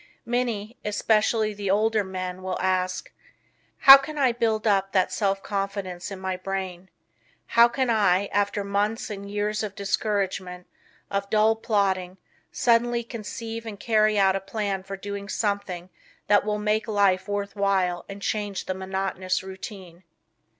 Many, especially the older men, will ask: "How can I build up that self confidence in my brain? How can I, after months and years of discouragement, of dull plodding, suddenly conceive and carry out a plan for doing something that will make life worth while and change the monotonous routine?